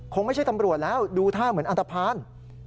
คงไม่ใช่ตำรวจแล้วดูท่าเหมือนอันตภัณฑ์